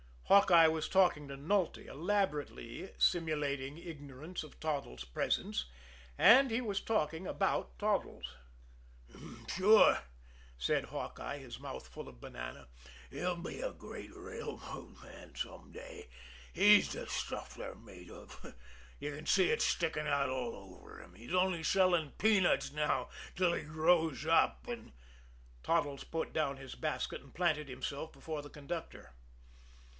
Hawkeye was talking to Nulty, elaborately simulating ignorance of Toddles' presence and he was talking about Toddles. "Sure," said Hawkeye, his mouth full of banana, "he'll be a great railroad man some day! He's the stuff they're made of! You can see it sticking out all over him! He's only selling peanuts now till he grows up and " Toddles put down his basket and planted himself before the conductor.